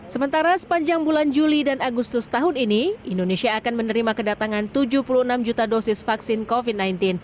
sementara sepanjang bulan juli dan agustus tahun ini indonesia akan menerima kedatangan tujuh puluh enam juta dosis vaksin covid sembilan belas